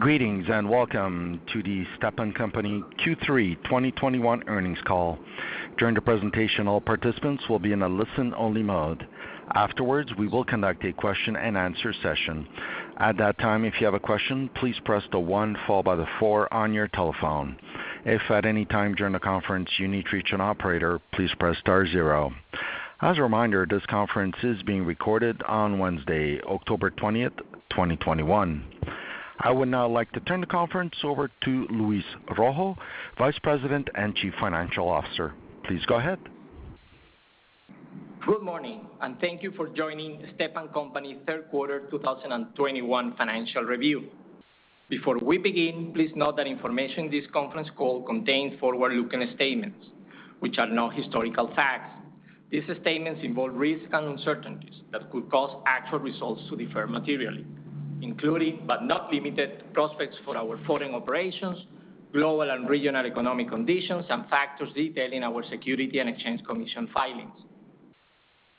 Greetings, and welcome to the Stepan Company Q3 2021 earnings call. During the presentation, all participants will be in a listen-only mode. Afterwards, we will conduct a question-and-answer session. At that time, if you have a question, please press the one followed by the four on your telephone. If at any time during the conference you need to reach an operator, please press star zero. As a reminder, this conference is being recorded on Wednesday, October 20th, 2021. I would now like to turn the conference over to Luis Rojo, Vice President and Chief Financial Officer. Please go ahead. Good morning. Thank you for joining Stepan Company third quarter 2021 financial review. Before we begin, please note that information in this conference call contains forward-looking statements which are not historical facts. These statements involve risks and uncertainties that could cause actual results to differ materially, including but not limited to prospects for our foreign operations, global and regional economic conditions, and factors detailed in our Securities and Exchange Commission filings.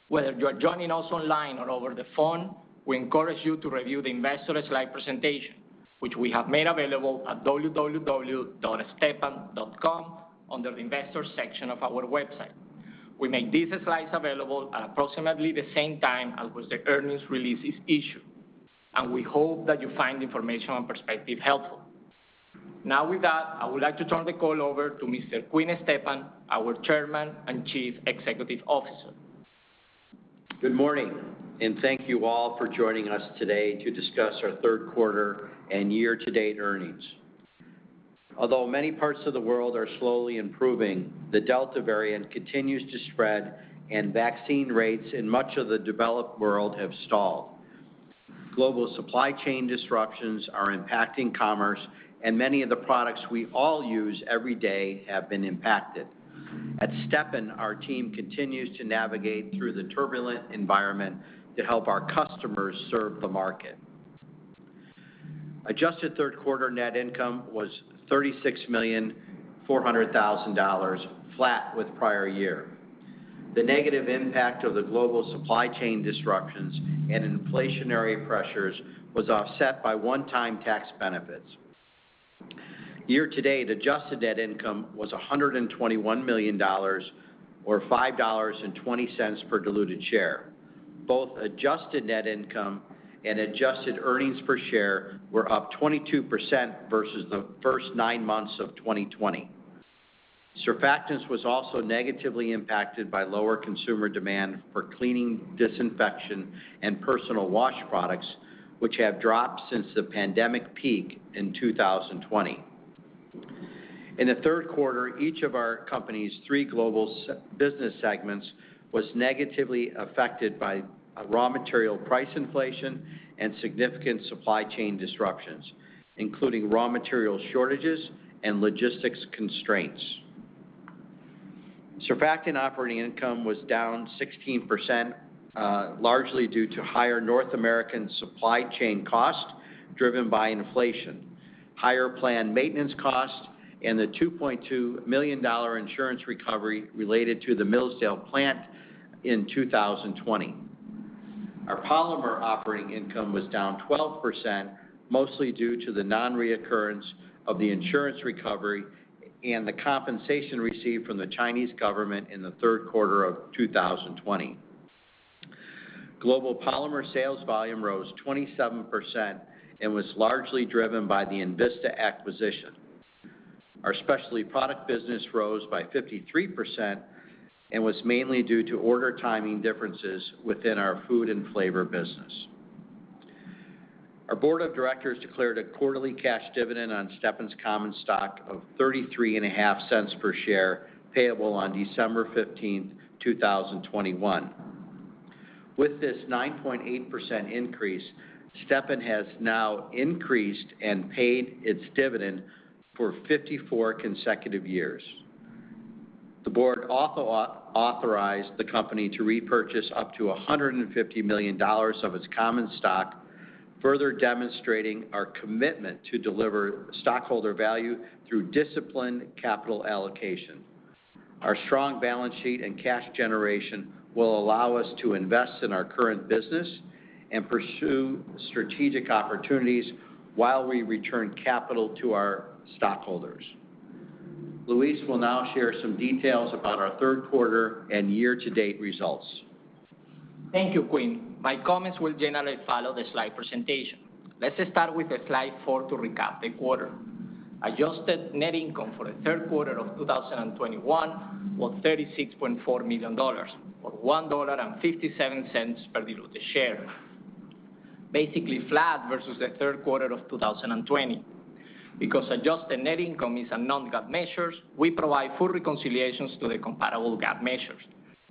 Whether you're joining us online or over the phone, we encourage you to review the investor slide presentation, which we have made available at www.stepan.com under the Investors section of our website. We made these slides available at approximately the same time as was the earnings release is issued. We hope that you find the information and perspective helpful. Now with that, I would like to turn the call over to Mr. F. Quinn Stepan Jr., our Chairman and Chief Executive Officer. Good morning, and thank you all for joining us today to discuss our third quarter and year-to-date earnings. Although many parts of the world are slowly improving, the Delta variant continues to spread, and vaccine rates in much of the developed world have stalled. Global supply chain disruptions are impacting commerce, and many of the products we all use every day have been impacted. At Stepan, our team continues to navigate through the turbulent environment to help our customers serve the market. Adjusted third quarter net income was $36,400,000, flat with prior year. The negative impact of the global supply chain disruptions and inflationary pressures was offset by one-time tax benefits. Year-to-date adjusted net income was $121 million, or $5.20 per diluted share. Both adjusted net income and adjusted earnings per share were up 22% versus the first nine months of 2020. Surfactants was also negatively impacted by lower consumer demand for cleaning, disinfection, and personal wash products, which have dropped since the pandemic peak in 2020. In the third quarter, each of our company's three global business segments was negatively affected by raw material price inflation and significant supply chain disruptions, including raw material shortages and logistics constraints. Surfactant operating income was down 16%, largely due to higher North American supply chain costs driven by inflation, higher planned maintenance costs, and the $2.2 million insurance recovery related to the Millsdale plant in 2020. Our Polymer operating income was down 12%, mostly due to the non-reoccurrence of the insurance recovery and the compensation received from the Chinese government in the third quarter of 2020. Global Polymer sales volume rose 27% and was largely driven by the INVISTA acquisition. Our Specialty Products business rose by 53% and was mainly due to order timing differences within our food and flavor business. Our board of directors declared a quarterly cash dividend on Stepan's common stock of 33.5 Per share, payable on December 15th, 2021. With this 9.8% increase, Stepan has now increased and paid its dividend for 54 consecutive years. The board also authorized the company to repurchase up to $150 million of its common stock, further demonstrating our commitment to deliver stockholder value through disciplined capital allocation. Our strong balance sheet and cash generation will allow us to invest in our current business and pursue strategic opportunities while we return capital to our stockholders. Luis will now share some details about our third quarter and year-to-date results. Thank you, Quinn. My comments will generally follow the slide presentation. Let's start with slide four to recap the quarter. Adjusted net income for the third quarter of 2021 was $36.4 million, or $1.57 per diluted share, basically flat versus the third quarter of 2020. Because adjusted net income is a non-GAAP measure, we provide full reconciliations to the comparable GAAP measures.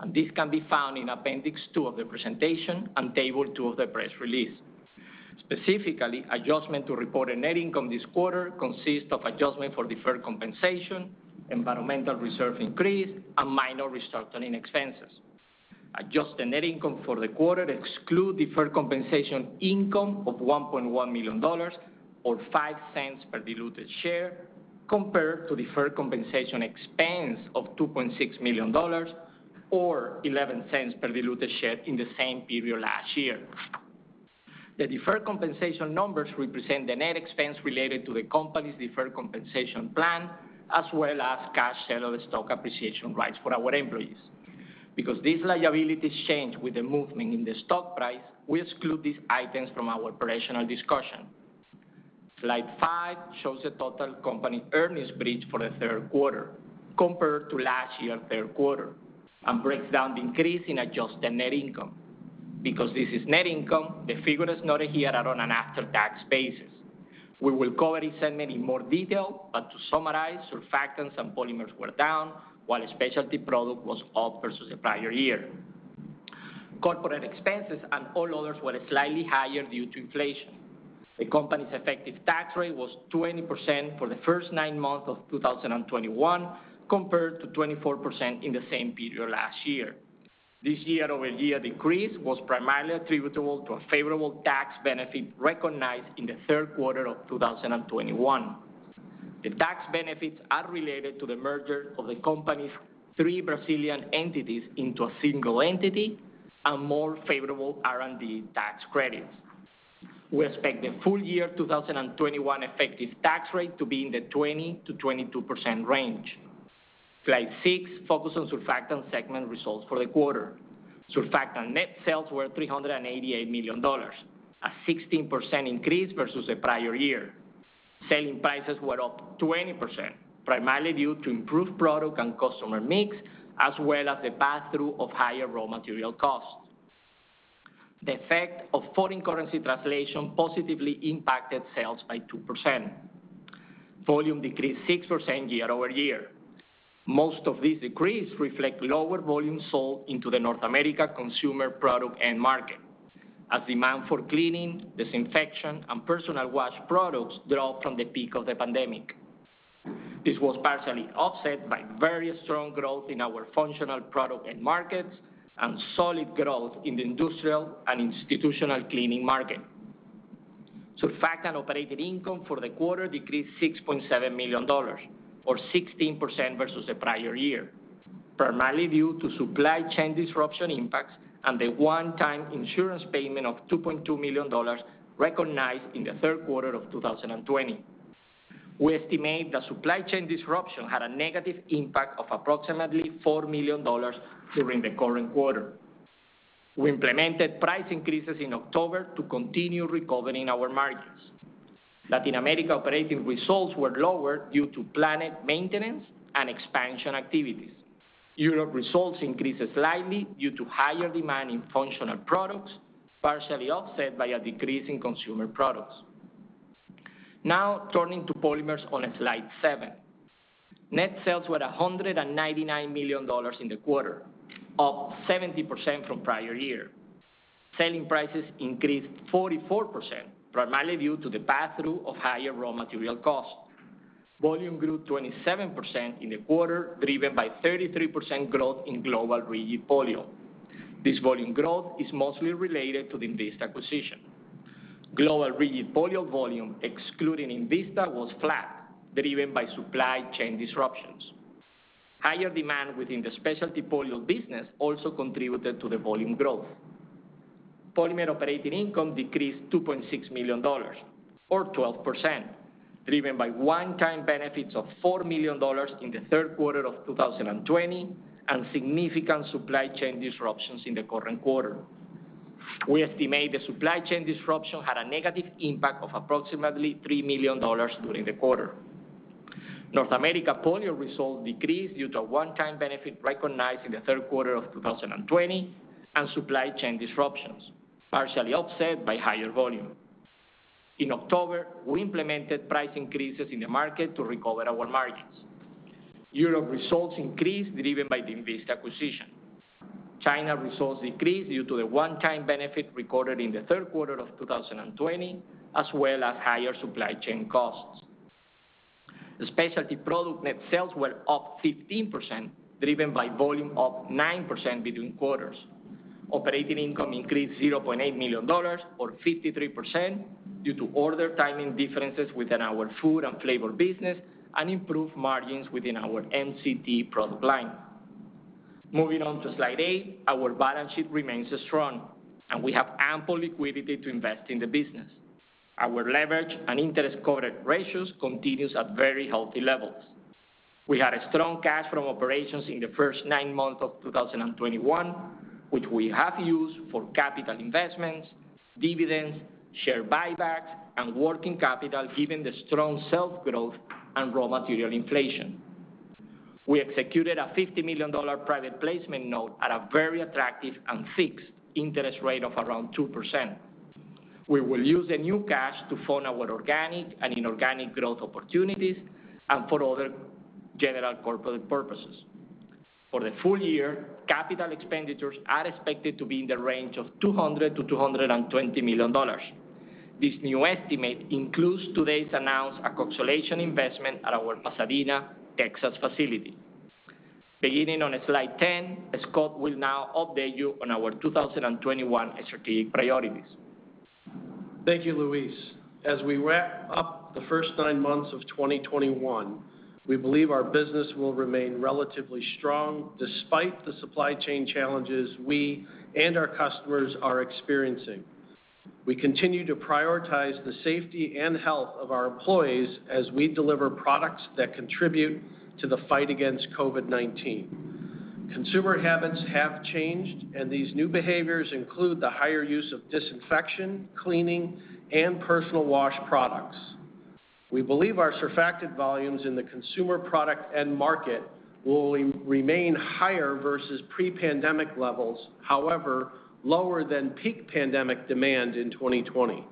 This can be found in appendix two of the presentation and table two of the press release. Specifically, adjustment to reported net income this quarter consists of adjustment for deferred compensation, environmental reserve increase, and minor restructuring expenses. Adjusted net income for the quarter excludes deferred compensation income of $1.1 million, or $0.05 per diluted share, compared to deferred compensation expense of $2.6 million or $0.11 per diluted share in the same period last year. The deferred compensation numbers represent the net expense related to the company's deferred compensation plan, as well as cash settled stock appreciation rights for our employees. These liabilities change with the movement in the stock price, we exclude these items from our operational discussion. Slide five shows the total company earnings bridge for the third quarter compared to last year third quarter, and breaks down the increase in adjusted net income. This is net income, the figures noted here are on an after-tax basis. We will cover each segment in more detail, but to summarize, Surfactants and Polymers were down, while Specialty Products was up versus the prior year. Corporate expenses and all others were slightly higher due to inflation. The company's effective tax rate was 20% for the first nine months of 2021 compared to 24% in the same period last year. This year-over-year decrease was primarily attributable to a favorable tax benefit recognized in the third quarter of 2021. The tax benefits are related to the merger of the company's three Brazilian entities into a single entity and more favorable R&D tax credits. We expect the full-year 2021 effective tax rate to be in the 20%-22% range. Slide six focus on Surfactant segment results for the quarter. Surfactant net sales were $388 million, a 16% increase versus the prior year. Selling prices were up 20%, primarily due to improved product and customer mix, as well as the pass-through of higher raw material costs. The effect of foreign currency translation positively impacted sales by 2%. Volume decreased 6% year-over-year. Most of these decreases reflect lower volume sold into the North America consumer product end market, as demand for cleaning, disinfection, and personal wash products drop from the peak of the pandemic. This was partially offset by very strong growth in our functional product end markets and solid growth in the industrial and institutional cleaning market. Surfactant operating income for the quarter decreased $6.7 million, or 16% versus the prior year, primarily due to supply chain disruption impacts and the one-time insurance payment of $2.2 million recognized in the third quarter of 2020. We estimate that supply chain disruption had a negative impact of approximately $4 million during the current quarter. We implemented price increases in October to continue recovering our margins. Latin America operating results were lower due to planned maintenance and expansion activities. Europe results increased slightly due to higher demand in functional products, partially offset by a decrease in consumer products. Turning to Polymers on slide seven. Net sales were $199 million in the quarter, up 70% from prior year. Selling prices increased 44%, primarily due to the pass-through of higher raw material costs. Volume grew 27% in the quarter, driven by 33% growth in global rigid polyol. This volume growth is mostly related to the INVISTA acquisition. Global rigid polyol volume, excluding INVISTA, was flat, driven by supply chain disruptions. Higher demand within the specialty polyol business also contributed to the volume growth. Polymer operating income decreased $2.6 million, or 12%, driven by one-time benefits of $4 million in the third quarter of 2020 and significant supply chain disruptions in the current quarter. We estimate the supply chain disruption had a negative impact of approximately $3 million during the quarter. North America polyol results decreased due to a one-time benefit recognized in the third quarter of 2020 and supply chain disruptions, partially offset by higher volume. In October, we implemented price increases in the market to recover our margins. Europe results increased, driven by the INVISTA acquisition. China results decreased due to a one-time benefit recorded in the third quarter of 2020, as well as higher supply chain costs. The Specialty Products net sales were up 15%, driven by volume up 9% between quarters. Operating income increased $0.8 million, or 53%, due to order timing differences within our food and flavor business and improved margins within our MCT product line. Moving on to slide eight, our balance sheet remains strong, and we have ample liquidity to invest in the business. Our leverage and interest covered ratios continues at very healthy levels. We had a strong cash from operations in the first nine months of 2021, which we have used for capital investments, dividends, share buybacks, and working capital, given the strong sales growth and raw material inflation. We executed a $50 million private placement note at a very attractive and fixed interest rate of around 2%. We will use the new cash to fund our organic and inorganic growth opportunities and for other general corporate purposes. For the full year, CapEx are expected to be in the range of $200 million-$220 million. This new estimate includes today's announced alkoxylation investment at our Pasadena, Texas, facility. Beginning on slide 10, Scott will now update you on our 2021 strategic priorities. Thank you, Luis. As we wrap up the first nine months of 2021, we believe our business will remain relatively strong despite the supply chain challenges we and our customers are experiencing. We continue to prioritize the safety and health of our employees as we deliver products that contribute to the fight against COVID-19. Consumer habits have changed, and these new behaviors include the higher use of disinfection, cleaning, and personal wash products. We believe our Surfactant volumes in the consumer product end market will remain higher versus pre-pandemic levels, however, lower than peak pandemic demand in 2020.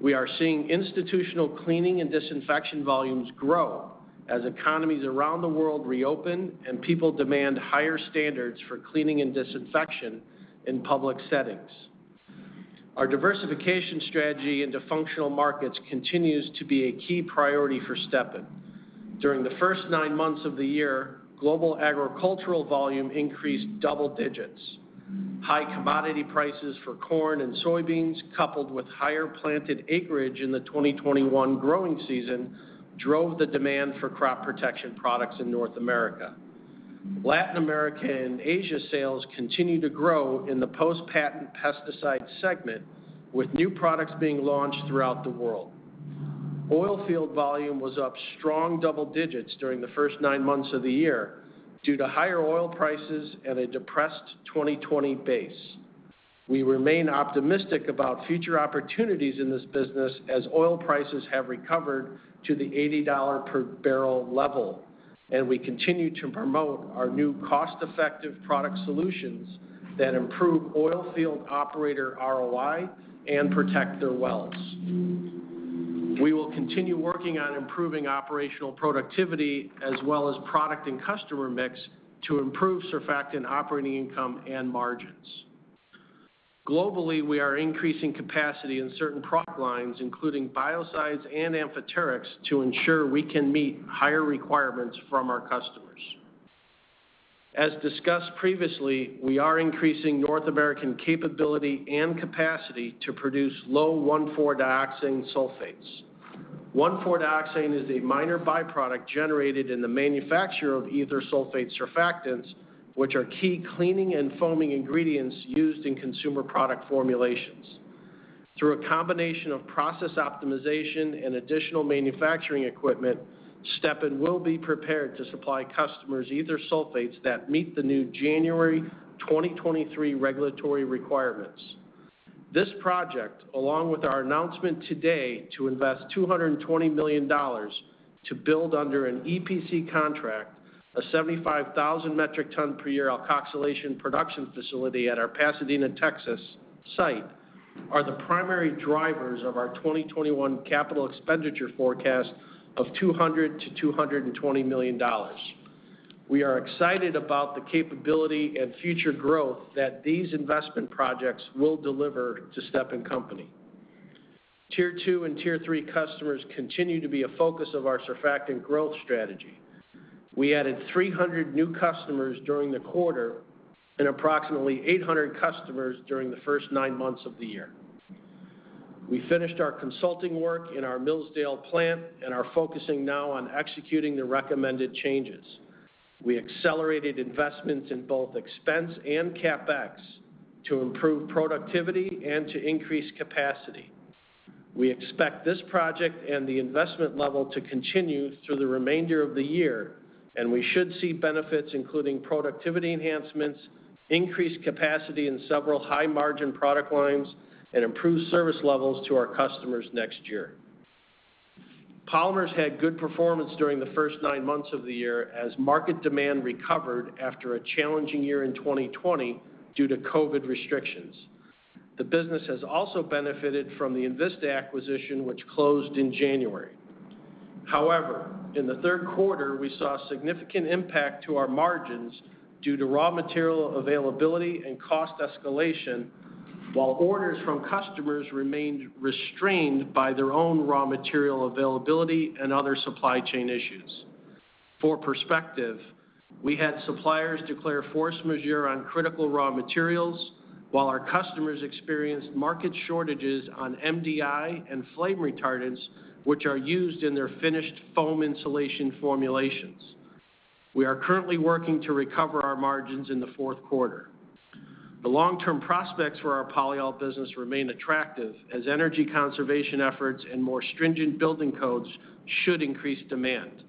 We are seeing institutional cleaning and disinfection volumes grow as economies around the world reopen and people demand higher standards for cleaning and disinfection in public settings. Our diversification strategy into functional markets continues to be a key priority for Stepan. During the first nine months of the year, global agricultural volume increased double digits. High commodity prices for corn and soybeans, coupled with higher planted acreage in the 2021 growing season, drove the demand for crop protection products in North America. Latin America and Asia sales continue to grow in the post-patent pesticide segment, with new products being launched throughout the world. Oilfield volume was up strong double digits during the first nine months of the year due to higher oil prices and a depressed 2020 base. We remain optimistic about future opportunities in this business as oil prices have recovered to the $80 per barrel level, and we continue to promote our new cost-effective product solutions that improve oilfield operator ROI and protect their wells. We will continue working on improving operational productivity as well as product and customer mix to improve Surfactant operating income and margins. Globally, we are increasing capacity in certain product lines, including biocides and amphoterics, to ensure we can meet higher requirements from our customers. As discussed previously, we are increasing North American capability and capacity to produce low 1,4-dioxane sulfates. 1,4-Dioxane is a minor byproduct generated in the manufacture of ether sulfate surfactants, which are key cleaning and foaming ingredients used in consumer product formulations. Through a combination of process optimization and additional manufacturing equipment, Stepan will be prepared to supply customers ether sulfates that meet the new January 2023 regulatory requirements. This project, along with our announcement today to invest $220 million to build under an EPC contract, a 75,000 metric ton per year alkoxylation production facility at our Pasadena, Texas site, are the primary drivers of our 2021 CapEx forecast of $200 million-$220 million. We are excited about the capability and future growth that these investment projects will deliver to Stepan Company. Tier 2 and Tier 3 customers continue to be a focus of our Surfactant growth strategy. We added 300 new customers during the quarter and approximately 800 customers during the first nine months of the year. We finished our consulting work in our Millsdale plant and are focusing now on executing the recommended changes. We accelerated investments in both expense and CapEx to improve productivity and to increase capacity. We expect this project and the investment level to continue through the remainder of the year, and we should see benefits including productivity enhancements, increased capacity in several high-margin product lines, and improved service levels to our customers next year. Polymers had good performance during the first nine months of the year as market demand recovered after a challenging year in 2020 due to COVID restrictions. The business has also benefited from the INVISTA acquisition, which closed in January. However, in the third quarter, we saw a significant impact to our margins due to raw material availability and cost escalation, while orders from customers remained restrained by their own raw material availability and other supply chain issues. For perspective, we had suppliers declare force majeure on critical raw materials while our customers experienced market shortages on MDI and flame retardants, which are used in their finished foam insulation formulations. We are currently working to recover our margins in the fourth quarter. The long-term prospects for our polyol business remain attractive as energy conservation efforts and more stringent building codes should increase demand.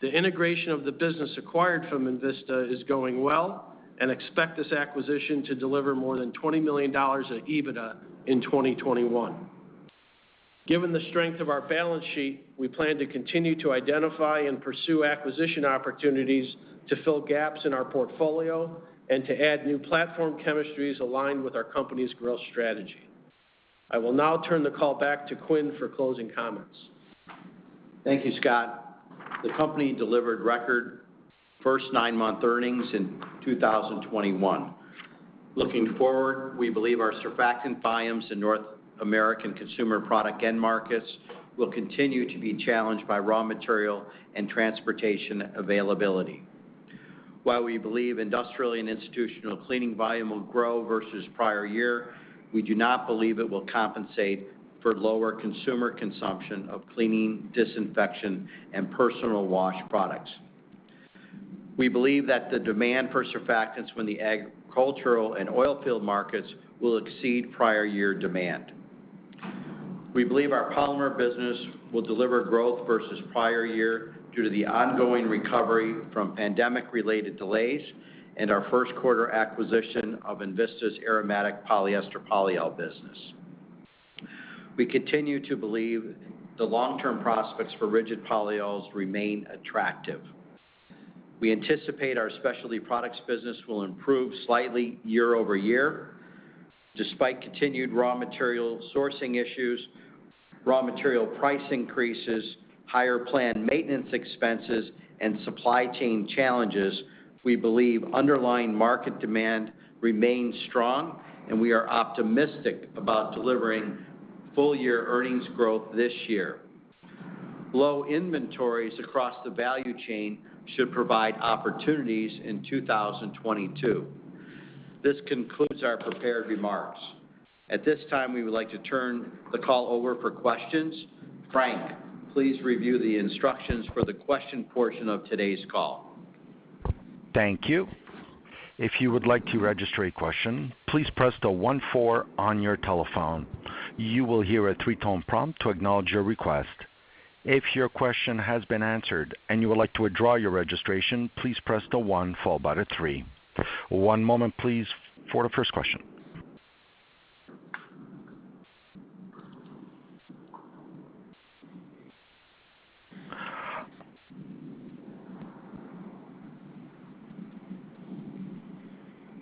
The integration of the business acquired from INVISTA is going well and expect this acquisition to deliver more than $20 million of EBITDA in 2021. Given the strength of our balance sheet, we plan to continue to identify and pursue acquisition opportunities to fill gaps in our portfolio and to add new platform chemistries aligned with our company's growth strategy. I will now turn the call back to Quinn for closing comments. Thank you, Scott. The company delivered record first nine-month earnings in 2021. Looking forward, we believe our Surfactant volumes in North American consumer product end markets will continue to be challenged by raw material and transportation availability. While we believe industrial and institutional cleaning volume will grow versus the prior year, we do not believe it will compensate for lower consumer consumption of cleaning, disinfection, and personal wash products. We believe that the demand for Surfactants from the agricultural and oil field markets will exceed prior year demand. We believe our Polymers business will deliver growth versus the prior year due to the ongoing recovery from pandemic-related delays and our first quarter acquisition of INVISTA's aromatic polyester polyol business. We continue to believe the long-term prospects for rigid polyols remain attractive. We anticipate our Specialty Products business will improve slightly year-over-year. Despite continued raw material sourcing issues, raw material price increases, higher planned maintenance expenses, and supply chain challenges, we believe underlying market demand remains strong, and we are optimistic about delivering full-year earnings growth this year. Low inventories across the value chain should provide opportunities in 2022. This concludes our prepared remarks. At this time, we would like to turn the call over for questions. Frank, please review the instructions for the question portion of today's call. Thank you. If you would like to register a question, please press the one four on your telephone. You will hear a three-tone prompt to acknowledge your request. If your question has been answered and you would like to withdraw your registration, please press the one followed by the three. One moment please for the first question.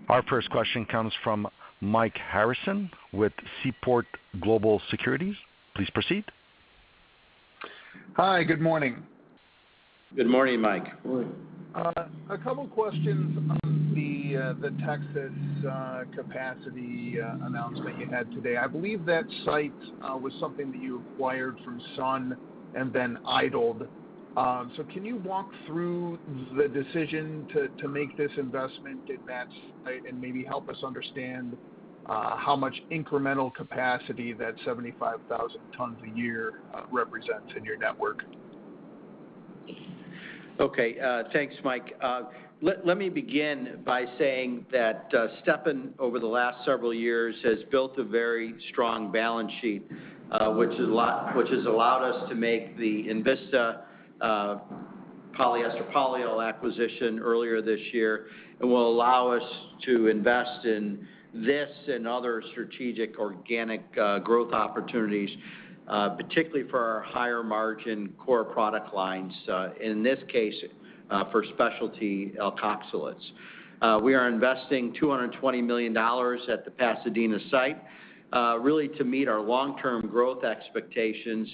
Our first question comes from Mike Harrison with Seaport Research Partners. Please proceed. Hi, good morning. Good morning, Mike. A couple questions on the Texas capacity announcement you had today. I believe that site was something that you acquired from SUN and then idled. Can you walk through the decision to make this investment in that site, and maybe help us understand how much incremental capacity that 75,000 tons a year represents in your network? Okay. Thanks, Mike. Let me begin by saying that Stepan, over the last several years, has built a very strong balance sheet, which has allowed us to make the INVISTA polyester polyol acquisition earlier this year and will allow us to invest in this and other strategic organic growth opportunities, particularly for our higher margin core product lines, in this case, for specialty alkoxylates. We are investing $220 million at the Pasadena site really to meet our long-term growth expectations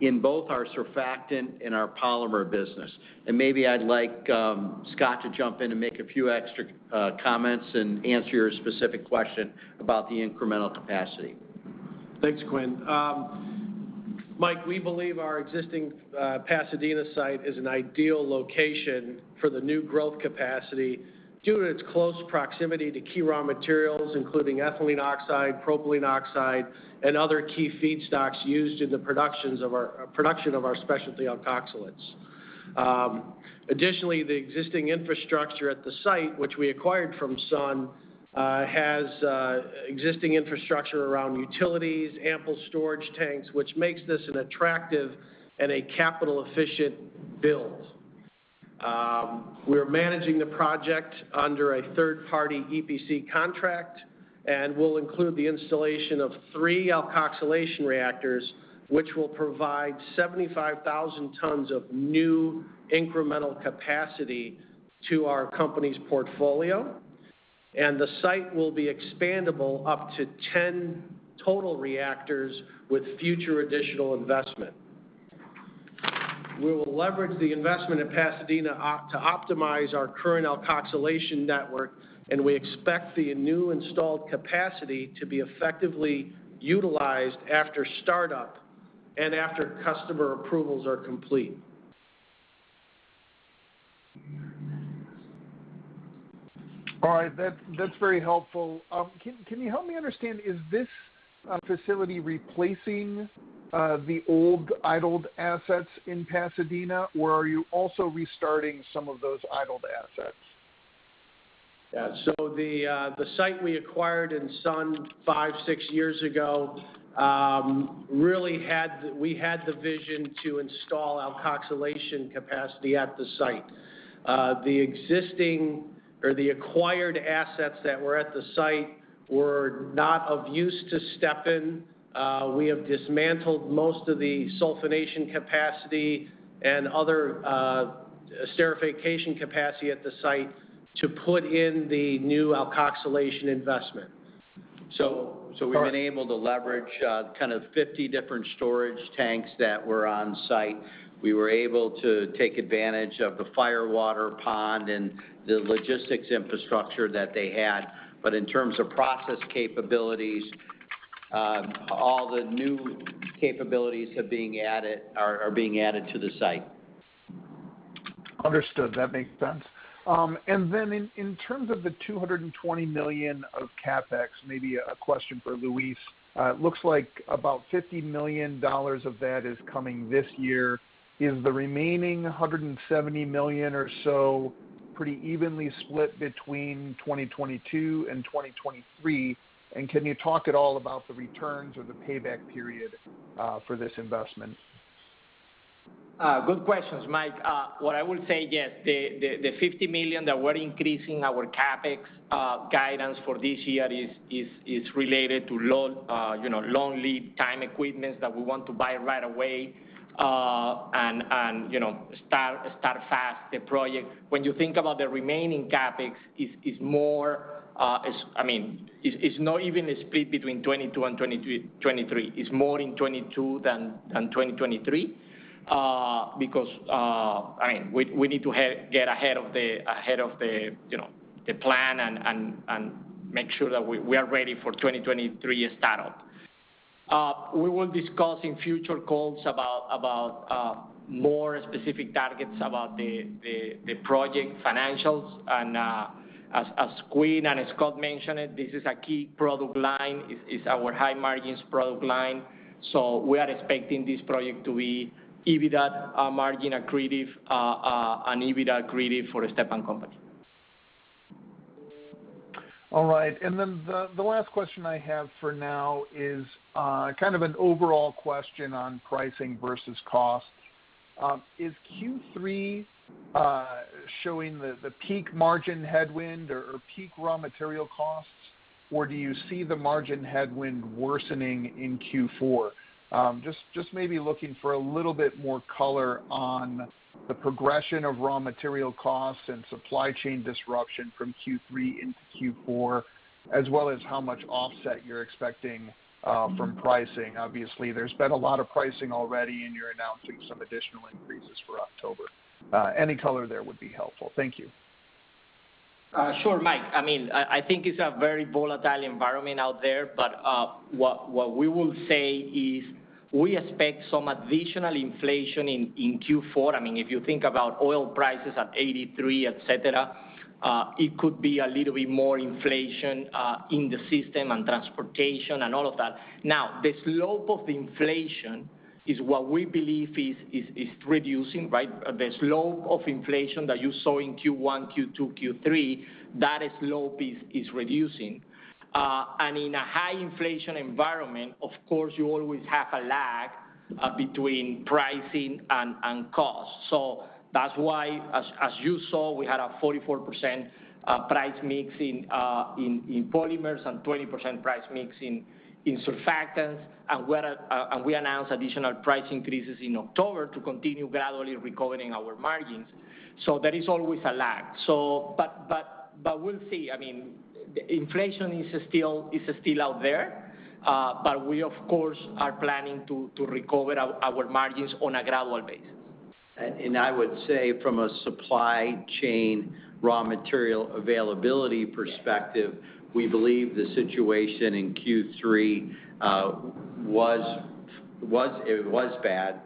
in both our Surfactant and our Polymer business. Maybe I'd like Scott to jump in and make a few extra comments and answer your specific question about the incremental capacity. Thanks, Quinn. Mike, we believe our existing Pasadena site is an ideal location for the new growth capacity due to its close proximity to key raw materials, including ethylene oxide, propylene oxide, and other key feedstocks used in the production of our specialty alkoxylates. The existing infrastructure at the site, which we acquired from SUN, has existing infrastructure around utilities, ample storage tanks, which makes this an attractive and a capital-efficient build. We're managing the project under a third-party EPC contract, and we'll include the installation of three alkoxylation reactors, which will provide 75,000 tons of new incremental capacity to our company's portfolio. The site will be expandable up to 10 total reactors with future additional investment. We will leverage the investment in Pasadena to optimize our current alkoxylation network, and we expect the new installed capacity to be effectively utilized after startup and after customer approvals are complete. All right. That's very helpful. Can you help me understand, is this facility replacing the old idled assets in Pasadena, or are you also restarting some of those idled assets? Yeah. The site we acquired in SUN five, six years ago, really we had the vision to install alkoxylation capacity at the site. The existing or the acquired assets that were at the site were not of use to Stepan. We have dismantled most of the sulfonation capacity and other esterification capacity at the site to put in the new alkoxylation investment. We've been able to leverage kind of 50 different storage tanks that were on site. We were able to take advantage of the fire water pond and the logistics infrastructure that they had. In terms of process capabilities All the new capabilities are being added to the site. Understood. That makes sense. In terms of the $220 million of CapEx, maybe a question for Luis. It looks like about $50 million of that is coming this year. Is the remaining $170 million or so pretty evenly split between 2022 and 2023? Can you talk at all about the returns or the payback period for this investment? Good questions, Michael Harrison. What I will say, yes, the $50 million that we're increasing our CapEx guidance for this year is related to long lead time equipments that we want to buy right away, and start fast the project. When you think about the remaining CapEx, it's not evenly split between 2022 and 2023. It's more in 2022 than 2023, because we need to get ahead of the plan and make sure that we are ready for 2023 start up. We will discuss in future calls about more specific targets about the project financials. As Quinn Stepan and as Scott Behrens mentioned it, this is a key product line. It's our high margins product line. We are expecting this project to be EBITDA margin accretive and EBITDA accretive for the Stepan Company. All right. The last question I have for now is kind of an overall question on pricing versus cost. Is Q3 showing the peak margin headwind or peak raw material costs, or do you see the margin headwind worsening in Q4? Just maybe looking for a little bit more color on the progression of raw material costs and supply chain disruption from Q3 into Q4, as well as how much offset you're expecting from pricing. Obviously, there's been a lot of pricing already, and you're announcing some additional increases for October. Any color there would be helpful. Thank you. Sure, Mike. I think it's a very volatile environment out there, but what we will say is we expect some additional inflation in Q4. If you think about oil prices at 83%, et cetera, it could be a little bit more inflation in the system and transportation and all of that. The slope of the inflation is what we believe is reducing, right? The slope of inflation that you saw in Q1, Q2, Q3, that slope is reducing. In a high inflation environment, of course, you always have a lag between pricing and cost. That's why, as you saw, we had a 44% price mix in Polymers and 20% price mix in Surfactants. We announced additional price increases in October to continue gradually recovering our margins. There is always a lag. We'll see. Inflation is still out there, but we of course, are planning to recover our margins on a gradual basis. I would say from a supply chain raw material availability perspective, we believe the situation in Q3, it was bad,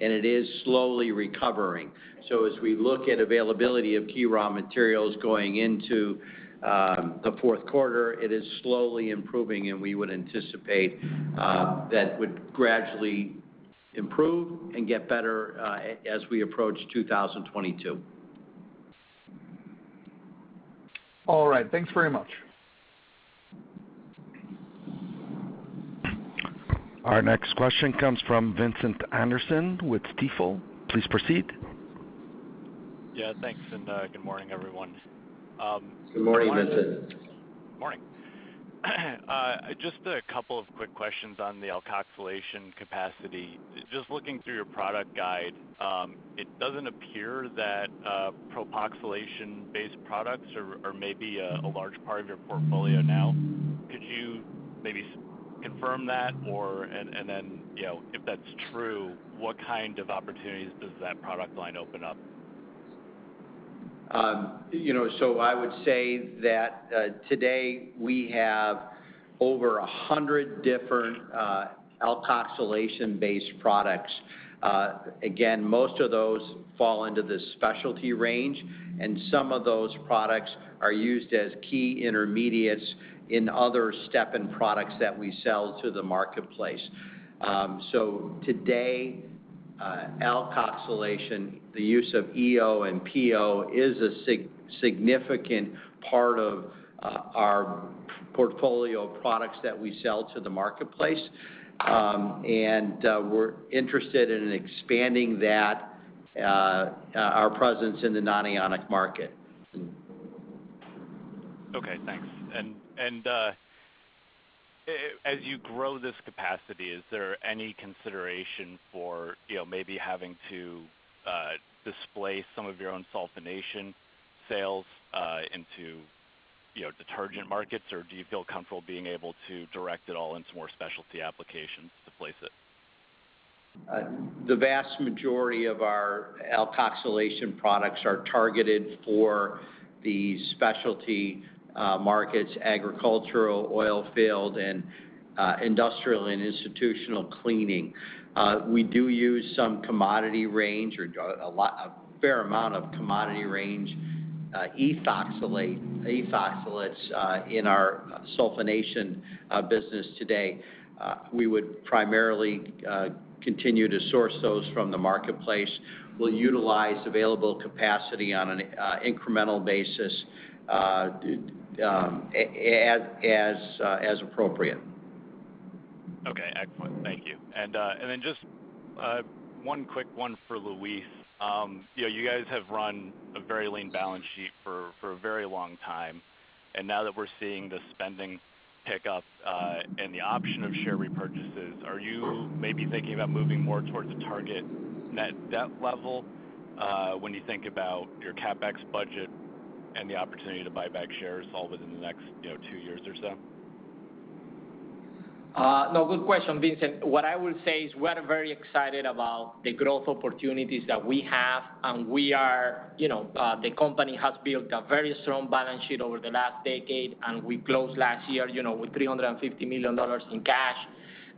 and it is slowly recovering. As we look at availability of key raw materials going into the fourth quarter, it is slowly improving, and we would anticipate that would gradually improve and get better as we approach 2022. All right. Thanks very much. Our next question comes from Vincent Anderson with Stifel. Please proceed. Yeah, thanks, and good morning, everyone. Good morning, Vincent. Morning. Just a couple of quick questions on the alkoxylation capacity. Just looking through your product guide, it doesn't appear that propoxylation-based products are maybe a large part of your portfolio now. Could you maybe confirm that and then, if that's true, what kind of opportunities does that product line open up? I would say that today we have over 100 different alkoxylation-based products. Again, most of those fall into the specialty range, and some of those products are used as key intermediates in other Stepan products that we sell to the marketplace. Today, alkoxylation, the use of EO and PO is a significant part of our portfolio of products that we sell to the marketplace. We're interested in expanding our presence in the nonionic market. Okay, thanks. As you grow this capacity, is there any consideration for maybe having to displace some of your own sulfonation sales into detergent markets? Or do you feel comfortable being able to direct it all into more specialty applications to place it? The vast majority of our alkoxylation products are targeted for the specialty markets, agricultural, oil field, and industrial and institutional cleaning. We do use some commodity range, or a fair amount of commodity range ethoxylates in our sulfonation business today. We would primarily continue to source those from the marketplace. We'll utilize available capacity on an incremental basis as appropriate. Okay. Excellent. Thank you. Just one quick one for Luis. You guys have run a very lean balance sheet for a very long time, and now that we're seeing the spending pick up and the option of share repurchases, are you maybe thinking about moving more towards a target net debt level when you think about your CapEx budget and the opportunity to buy back shares all within the next two years or so? No, good question, Vincent. What I will say is we are very excited about the growth opportunities that we have, and the company has built a very strong balance sheet over the last decade, and we closed last year with $350 million in cash.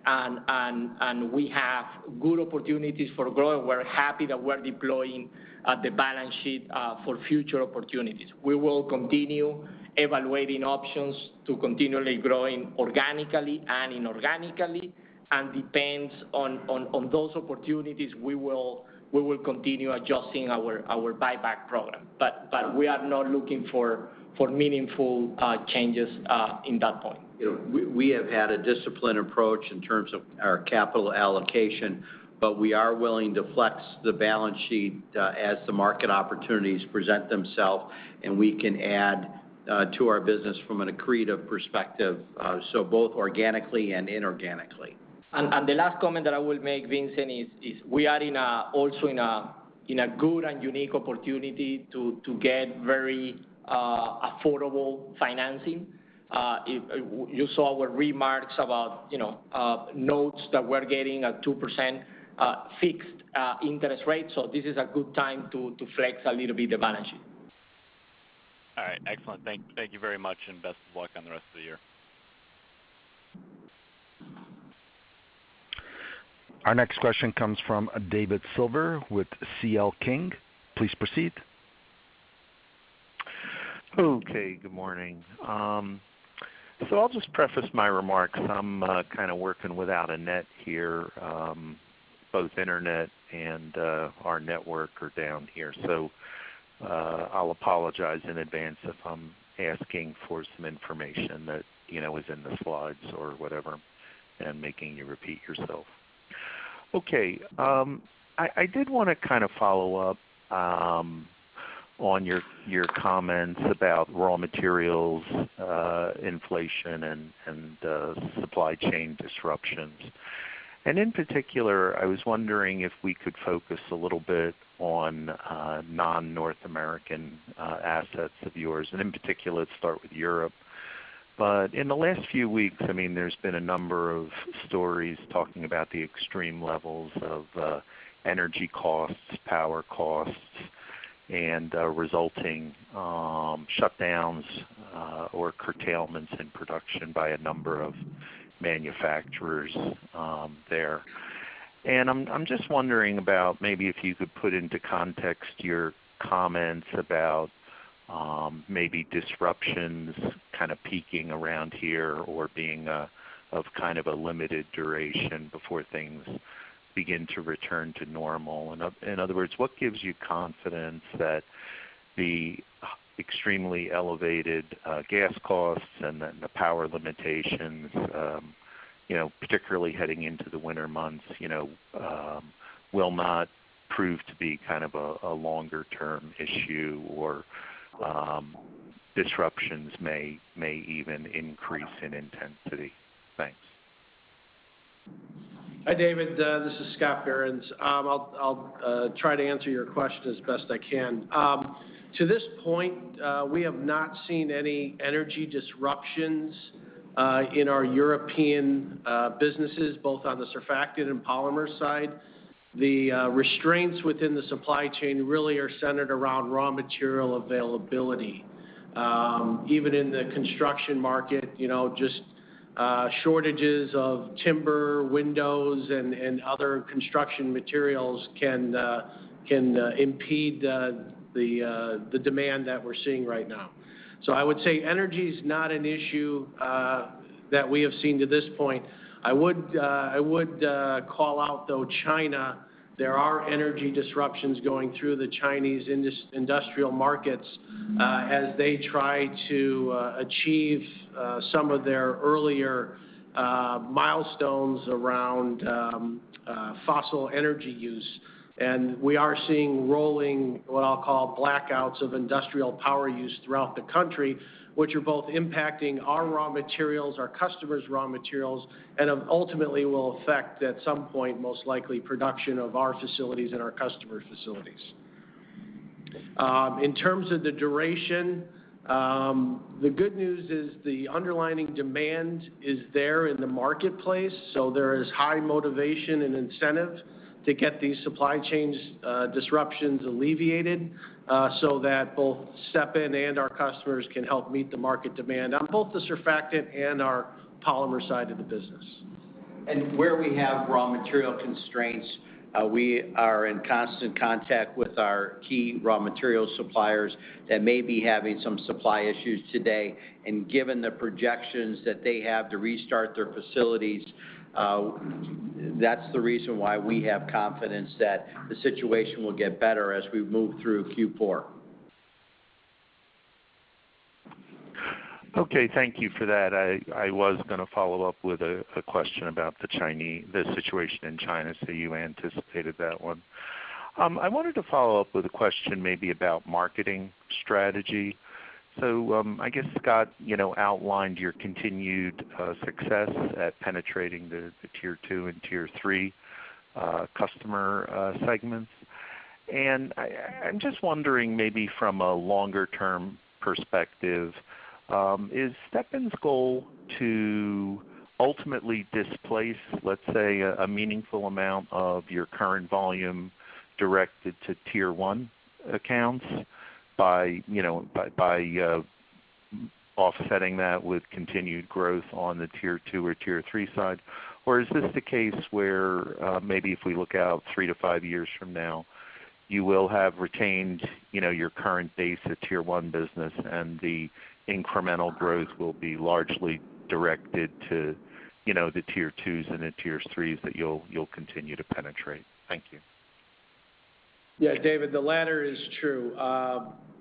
We have good opportunities for growth. We're happy that we're deploying the balance sheet for future opportunities. We will continue evaluating options to continually growing organically and inorganically, and depends on those opportunities, we will continue adjusting our buyback program. We are not looking for meaningful changes in that point. We have had a disciplined approach in terms of our capital allocation, but we are willing to flex the balance sheet as the market opportunities present themselves, and we can add to our business from an accretive perspective, so both organically and inorganically. The last comment that I will make, Vincent, is we are also in a good and unique opportunity to get very affordable financing. You saw our remarks about notes that we're getting at 2% fixed interest rate, so this is a good time to flex a little bit the balance sheet. All right. Excellent. Thank you very much. Best of luck on the rest of the year. Our next question comes from David Silver with C.L. King. Please proceed. Okay. Good morning. I'll just preface my remarks. I'm kind of working without a net here. Both internet and our network are down here, so I'll apologize in advance if I'm asking for some information that is in the slides or whatever and making you repeat yourself. Okay. I did want to kind of follow up on your comments about raw materials, inflation, and supply chain disruptions. In particular, I was wondering if we could focus a little bit on non-North American assets of yours, and in particular, let's start with Europe. In the last few weeks, there's been a number of stories talking about the extreme levels of energy costs, power costs, and resulting shutdowns or curtailments in production by a number of manufacturers there. I'm just wondering about maybe if you could put into context your comments about maybe disruptions kind of peaking around here or being of kind of a limited duration before things begin to return to normal. In other words, what gives you confidence that the extremely elevated gas costs and the power limitations, particularly heading into the winter months, will not prove to be kind of a longer-term issue, or disruptions may even increase in intensity? Thanks. Hi, David. This is Scott Behrens. I'll try to answer your question as best I can. To this point, we have not seen any energy disruptions in our European businesses, both on the surfactant and polymer side. The restraints within the supply chain really are centered around raw material availability. Even in the construction market, just shortages of timber, windows, and other construction materials can impede the demand that we're seeing right now. I would say energy is not an issue that we have seen to this point. I would call out, though, China. There are energy disruptions going through the Chinese industrial markets as they try to achieve some of their earlier milestones around fossil energy use. We are seeing rolling, what I'll call blackouts of industrial power use throughout the country, which are both impacting our raw materials, our customers' raw materials, and ultimately will affect, at some point, most likely, production of our facilities and our customers' facilities. In terms of the duration, the good news is the underlying demand is there in the marketplace. There is high motivation and incentive to get these supply chains disruptions alleviated so that both Stepan and our customers can help meet the market demand on both the Surfactant and our Polymer side of the business. Where we have raw material constraints, we are in constant contact with our key raw material suppliers that may be having some supply issues today. Given the projections that they have to restart their facilities, that's the reason why we have confidence that the situation will get better as we move through Q4. Okay. Thank you for that. I was going to follow up with a question about the situation in China, so you anticipated that one. I wanted to follow up with a question maybe about marketing strategy. I guess Scott outlined your continued success at penetrating the Tier 2 and Tier 3 customer segments. I'm just wondering maybe from a longer-term perspective, is Stepan's goal to ultimately displace, let's say, a meaningful amount of your current volume directed to Tier 1 accounts by offsetting that with continued growth on the Tier 2 or Tier 3 side? Or is this the case where maybe if we look out three to five years from now, you will have retained your current base of Tier 1 business and the incremental growth will be largely directed to the Tier 2s and the Tier 3s that you'll continue to penetrate? Thank you. Yeah, David, the latter is true.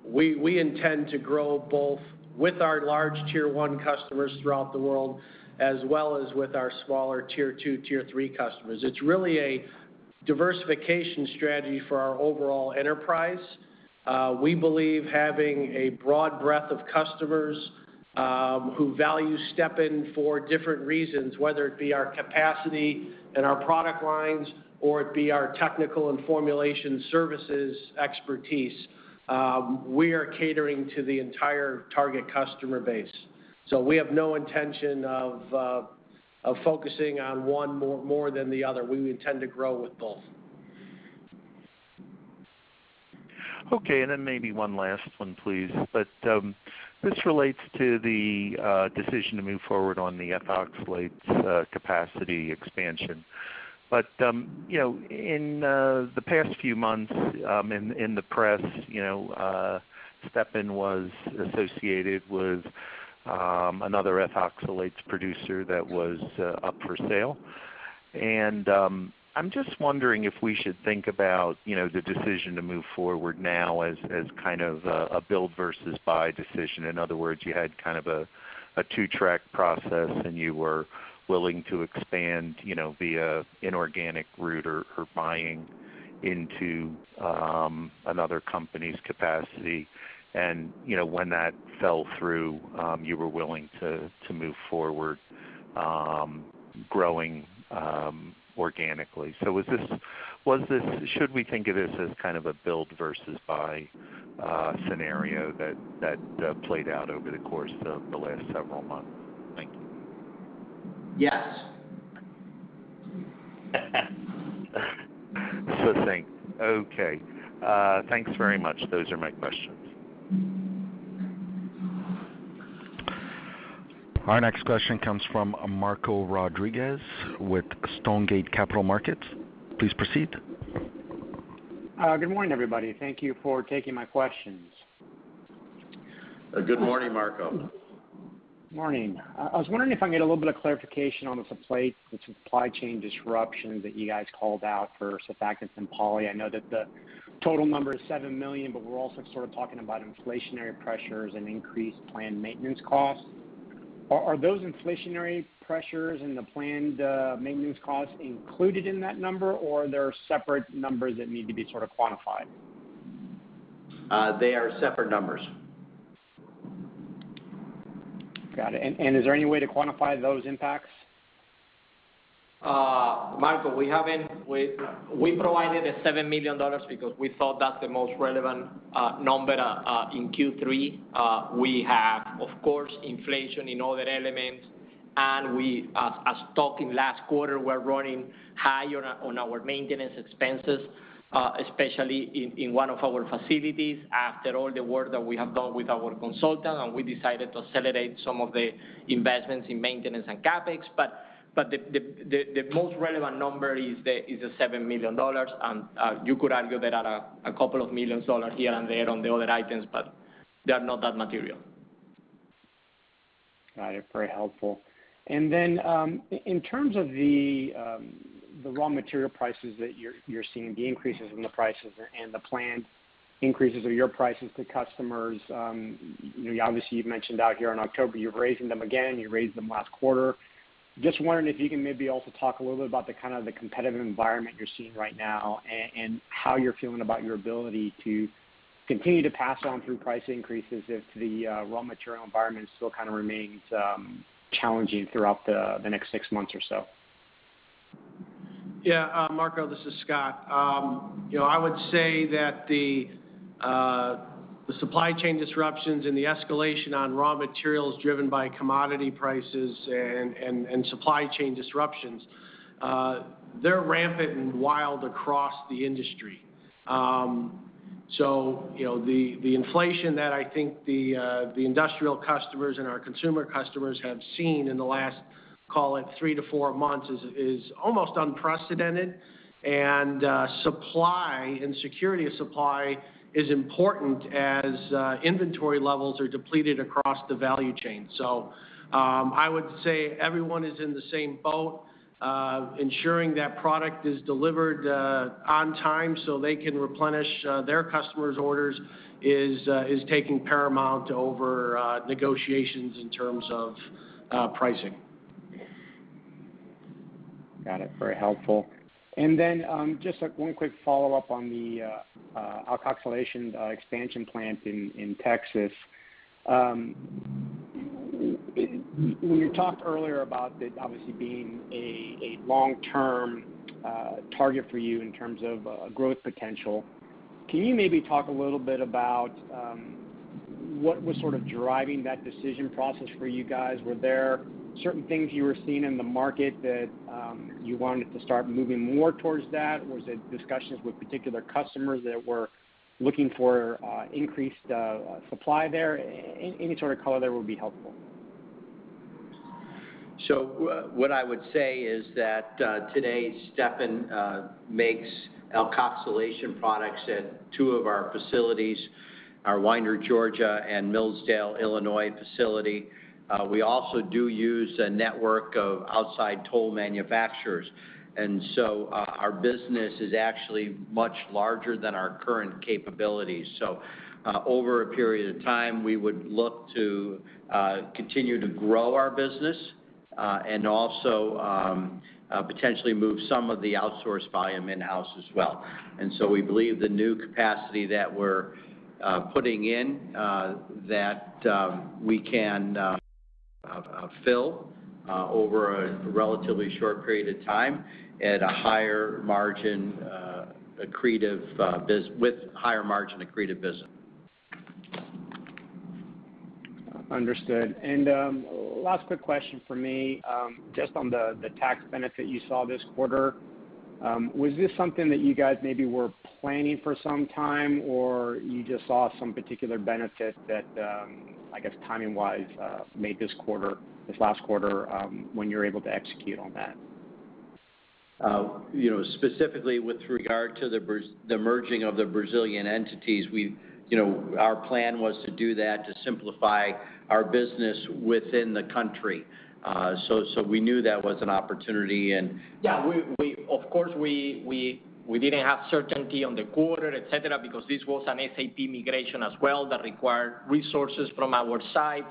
We intend to grow both with our large Tier 1 customers throughout the world, as well as with our smaller Tier 2, Tier 3 customers. It's really a diversification strategy for our overall enterprise. We believe having a broad breadth of customers who value Stepan for different reasons, whether it be our capacity and our product lines, or it be our technical and formulation services expertise, we are catering to the entire target customer base. We have no intention of focusing on one more than the other. We intend to grow with both. Okay, maybe one last one, please. This relates to the decision to move forward on the ethoxylates capacity expansion. In the past few months in the press, Stepan was associated with another ethoxylates producer that was up for sale. I'm just wondering if we should think about the decision to move forward now as kind of a build versus buy decision. In other words, you had kind of a two-track process, and you were willing to expand via inorganic route or buying into another company's capacity. When that fell through, you were willing to move forward growing organically. Should we think of this as kind of a build versus buy scenario that played out over the course of the last several months? Thank you. Yes. Just the same. Okay. Thanks very much. Those are my questions. Our next question comes from Marco Rodriguez with Stonegate Capital Markets. Please proceed. Good morning, everybody. Thank you for taking my questions. Good morning, Marco. Morning. I was wondering if I can get a little bit of clarification on the supply chain disruption that you guys called out for Surfactants and poly. I know that the total number is $7 million. We're also sort of talking about inflationary pressures and increased planned maintenance costs. Are those inflationary pressures and the planned maintenance costs included in that number, or are there separate numbers that need to be sort of quantified? They are separate numbers. Got it. Is there any way to quantify those impacts? Marco, we provided a $7 million because we thought that's the most relevant number in Q3. We have, of course, inflation in other elements, and as talked in last quarter, we're running higher on our maintenance expenses, especially in one of our facilities after all the work that we have done with our consultant, and we decided to accelerate some of the investments in maintenance and CapEx. The most relevant number is the $7 million, and you could argue that a couple of million dollars here and there on the other items, but they are not that material. Got it. Very helpful. In terms of the raw material prices that you're seeing, the increases in the prices, and the planned increases of your prices to customers, obviously you've mentioned out here in October you're raising them again. You raised them last quarter. Just wondering if you can maybe also talk a little bit about the kind of the competitive environment you're seeing right now and how you're feeling about your ability to continue to pass on through price increases if the raw material environment still kind of remains challenging throughout the next six months or so. Yeah, Marco, this is Scott. I would say that the supply chain disruptions and the escalation on raw materials driven by commodity prices and supply chain disruptions, they're rampant and wild across the industry. The inflation that I think the industrial customers and our consumer customers have seen in the last, call it three to four months, is almost unprecedented. Supply and security of supply is important as inventory levels are depleted across the value chain. I would say everyone is in the same boat. Ensuring that product is delivered on time so they can replenish their customers' orders is taking paramount over negotiations in terms of pricing. Got it. Very helpful. Then just one quick follow-up on the alkoxylation expansion plant in Texas. When you talked earlier about it obviously being a long-term target for you in terms of growth potential, can you maybe talk a little bit about what was sort of driving that decision process for you guys? Were there certain things you were seeing in the market that you wanted to start moving more towards that? Was it discussions with particular customers that were looking for increased supply there? Any sort of color there would be helpful. What I would say is that today Stepan makes alkoxylation products at two of our facilities, our Winder, Georgia, and Millsdale, Illinois, facility. We also do use a network of outside toll manufacturers. Our business is actually much larger than our current capabilities. Over a period of time, we would look to continue to grow our business, and also potentially move some of the outsourced volume in-house as well. We believe the new capacity that we're putting in, that we can fill over a relatively short period of time with higher margin accretive business. Understood. Last quick question from me, just on the tax benefit you saw this quarter, was this something that you guys maybe were planning for some time, or you just saw some particular benefit that, I guess timing-wise, made this last quarter when you were able to execute on that? Specifically with regard to the merging of the Brazilian entities, our plan was to do that to simplify our business within the country. We knew that was an opportunity. Of course, we didn't have certainty on the quarter, et cetera, because this was an SAP migration as well that required resources from our side.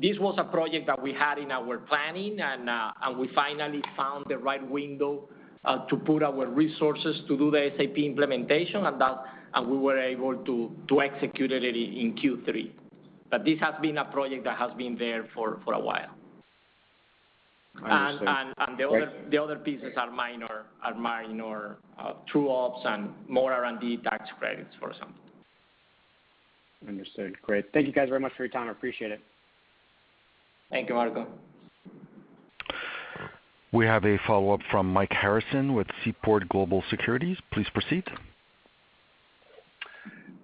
This was a project that we had in our planning, and we finally found the right window to put our resources to do the SAP implementation, and we were able to execute it in Q3. This has been a project that has been there for a while. Understood. Okay. The other pieces are minor true-ups and more R&D tax credits, for example. Understood. Great. Thank you guys very much for your time. I appreciate it. Thank you, Marco. We have a follow-up from Mike Harrison with Seaport Research Partners. Please proceed.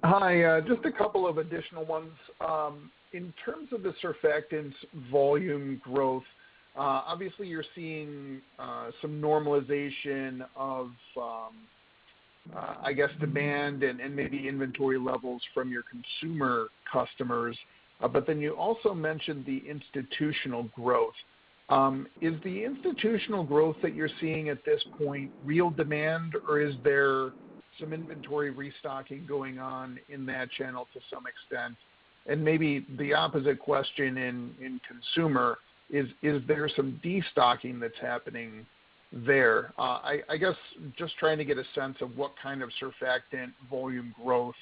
Hi. Just a couple of additional ones. In terms of the surfactants volume growth, obviously you're seeing some normalization of, I guess, demand and maybe inventory levels from your consumer customers. You also mentioned the institutional growth. Is the institutional growth that you're seeing at this point real demand, or is there some inventory restocking going on in that channel to some extent? Maybe the opposite question in consumer is there some de-stocking that's happening there? I guess just trying to get a sense of what kind of surfactant volume growth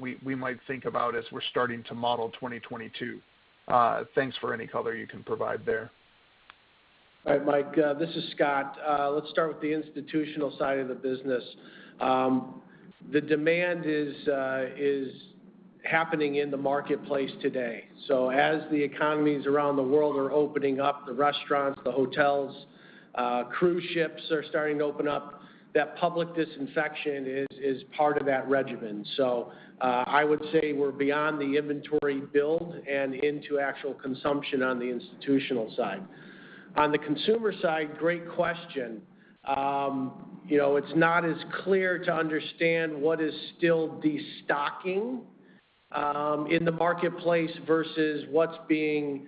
we might think about as we're starting to model 2022. Thanks for any color you can provide there. All right, Mike. This is Scott. Let's start with the institutional side of the business. The demand is happening in the marketplace today. As the economies around the world are opening up, the restaurants, the hotels, cruise ships are starting to open up, that public disinfection is part of that regimen. I would say we're beyond the inventory build and into actual consumption on the institutional side. On the consumer side, great question. It's not as clear to understand what is still de-stocking in the marketplace versus what's being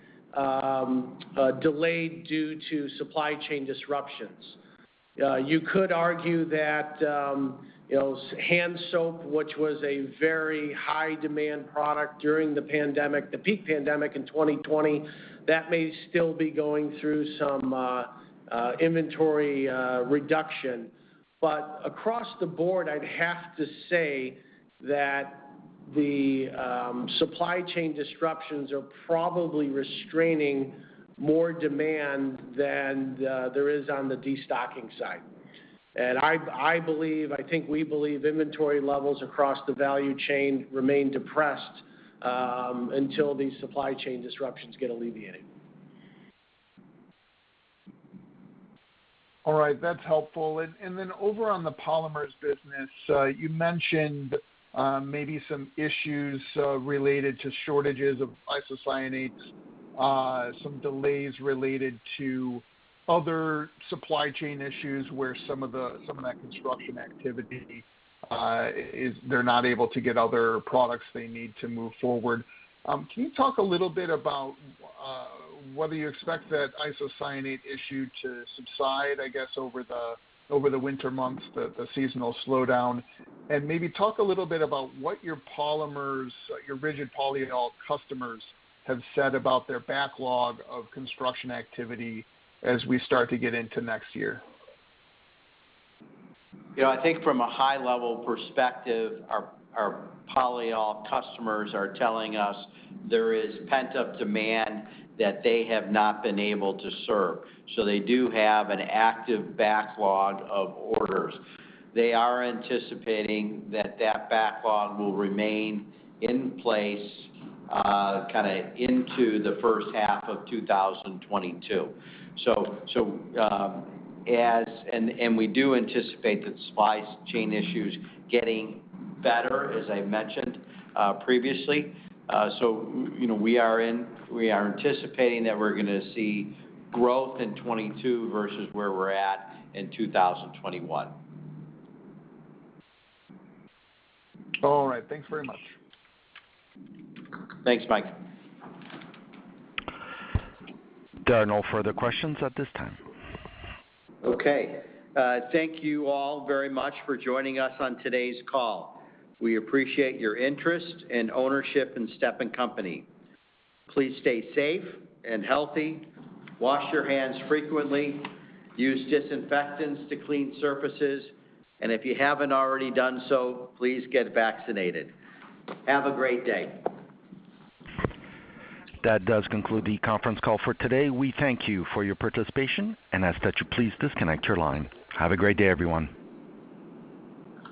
delayed due to supply chain disruptions. You could argue that hand soap, which was a very high-demand product during the peak pandemic in 2020, that may still be going through some inventory reduction. Across the board, I'd have to say that the supply chain disruptions are probably restraining more demand than there is on the destocking side. We believe inventory levels across the value chain remain depressed until these supply chain disruptions get alleviated. All right. That's helpful. Over on the Polymers business, you mentioned maybe some issues related to shortages of isocyanates, some delays related to other supply chain issues where some of that construction activity, they're not able to get other products they need to move forward. Can you talk a little bit about whether you expect that isocyanate issue to subside, I guess, over the winter months, the seasonal slowdown? Maybe talk a little bit about what your Polymers, your rigid polyol customers have said about their backlog of construction activity as we start to get into next year. I think from a high-level perspective, our polyol customers are telling us there is pent-up demand that they have not been able to serve. They do have an active backlog of orders. They are anticipating that that backlog will remain in place into the first half of 2022. We do anticipate the supply chain issues getting better, as I mentioned previously. We are anticipating that we're going to see growth in 2022 versus where we're at in 2021. All right. Thanks very much. Thanks, Mike. There are no further questions at this time. Okay. Thank you all very much for joining us on today's call. We appreciate your interest and ownership in Stepan Company. Please stay safe and healthy, wash your hands frequently, use disinfectants to clean surfaces, and if you haven't already done so, please get vaccinated. Have a great day. That does conclude the conference call for today. We thank you for your participation, and ask that you please disconnect your line. Have a great day, everyone.